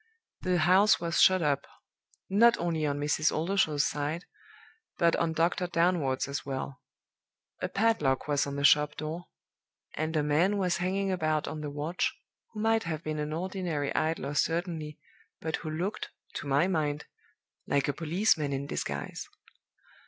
The house was shut up not only on Mrs. Oldershaw's side, but on Doctor Downward's as well. A padlock was on the shop door; and a man was hanging about on the watch, who might have been an ordinary idler certainly, but who looked, to my mind, like a policeman in disguise.